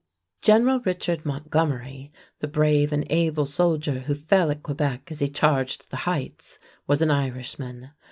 General Richard Montgomery, the brave and able soldier who fell at Quebec as he charged the heights, was an Irishman.